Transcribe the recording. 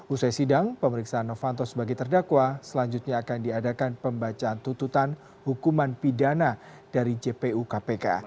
usai sidang pemeriksaan novanto sebagai terdakwa selanjutnya akan diadakan pembacaan tuntutan hukuman pidana dari jpu kpk